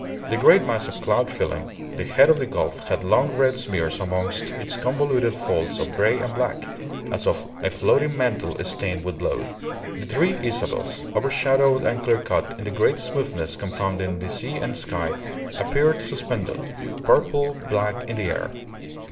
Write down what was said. The great mass of cloud filling the head of the gulf had long red smears amongst its convoluted folds of grey and black, as of a floating mantle stained with blood. The three Isabels, overshadowed and clear cut in a great smoothness confounding the sea and sky, appeared suspended, purple black, in the air.